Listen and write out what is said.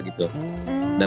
mencari tadi level sudah